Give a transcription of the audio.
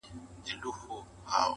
چي ورور مي د خورلڼي ناوکۍ د پلو غل دی -